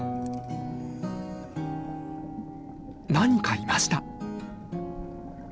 何かいました！